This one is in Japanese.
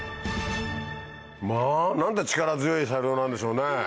まぁ何て力強い車両なんでしょうね。